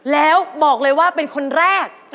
แล้วบอกเลยว่าเป็นคนแรก